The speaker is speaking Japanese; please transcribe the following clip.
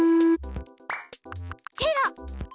チェロ。